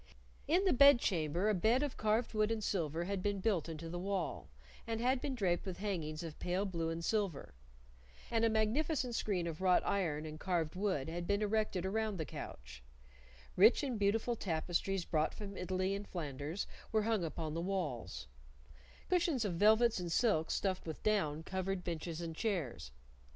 In the bedchamber a bed of carved wood and silver had been built into the wall, and had been draped with hangings of pale blue and silver, and a magnificent screen of wrought iron and carved wood had been erected around the couch; rich and beautiful tapestries brought from Italy and Flanders were hung upon the walls; cushions of velvets and silks stuffed with down covered benches and chairs.